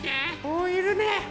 おいるね。